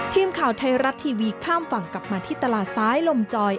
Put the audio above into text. ทีมข่าวไทยรัฐทีวีข้ามฝั่งกลับมาที่ตลาดซ้ายลมจอย